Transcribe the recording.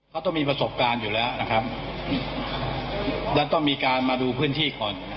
เขาต้องมีประสบการณ์อยู่แล้วนะครับดันต้องมีการมาดูพื้นที่ก่อน